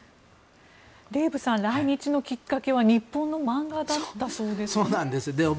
デーブさん来日のきっかけは日本の漫画だったそうですね。